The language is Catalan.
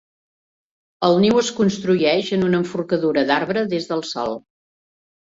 El niu es construeix en una enforcadura d'arbre des del sòl.